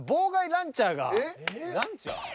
ランチャー？